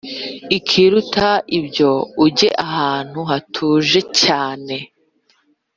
Ikiruta byose ujye ahantu hatuje cyane